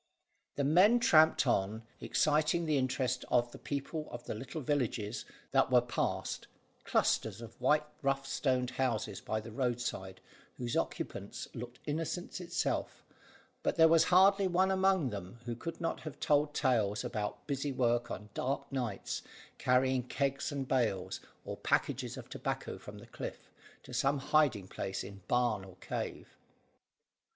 The men tramped on, exciting the interest of the people of the little villages that were passed clusters of white rough stone houses by the roadside, whose occupants looked innocence itself, but there was hardly one among them who could not have told tales about busy work on dark nights, carrying kegs and bales, or packages of tobacco from the cliff, to some hiding place in barn or cave.